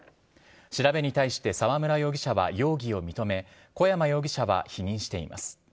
調べに対して沢村容疑者は容疑を認め、小山容疑者は否認しています。